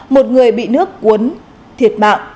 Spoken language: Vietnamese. một người bị nước cuốn thiệt mạng